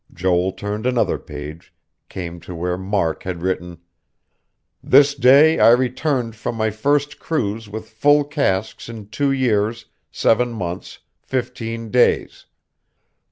Joel turned another page, came to where Mark had written: "This day I returned from my first cruise with full casks in two years, seven months, fifteen days.